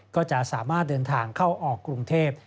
ก็จะสามารถเดินทางเข้าออกกรุงเทพ